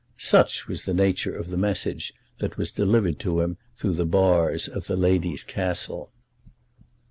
Such was the nature of the message that was delivered to him through the bars of the lady's castle.